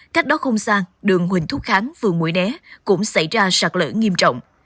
cách đó không xa đường huỳnh thúc kháng phường mũi né cũng xảy ra sạt lỡ nghiêm trọng